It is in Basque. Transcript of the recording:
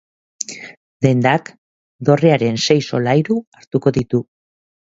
Dendak dorrearen sei solairu hartuko ditu.